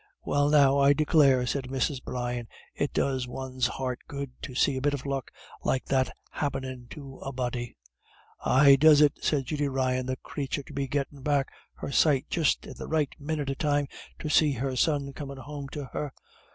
"Well now, I declare," said Mrs. Brian, "it does one's heart good to see a bit of luck like that happenin' to a body." "Ay, does it," said Judy Ryan, "the crathur to be gettin' back her sight just in the right minyit of time to see her son comin' home to her.